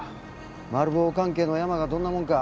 マル暴関係のヤマがどんなもんか。